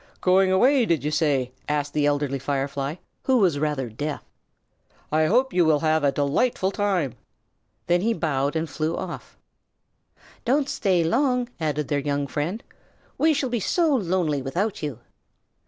"Going away, did you say?" asked the elderly Firefly, who was rather deaf. "I hope you will have a delightful time." Then he bowed and flew off. "Don't stay long," added their young friend. "We shall be so lonely without you."